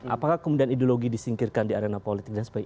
apakah kemudian ideologi disingkirkan di arena politik dan sebagainya